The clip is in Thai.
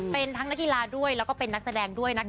เป็นทั้งนักกีฬาด้วยแล้วก็เป็นนักแสดงด้วยนะคะ